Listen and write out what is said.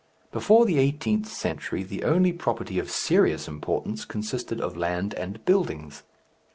Before the eighteenth century the only property of serious importance consisted of land and buildings.